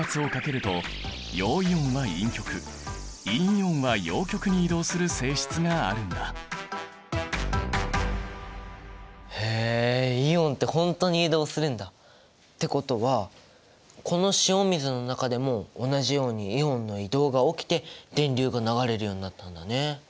このようにへえイオンって本当に移動するんだ！ってことはこの塩水の中でも同じようにイオンの移動が起きて電流が流れるようになったんだね！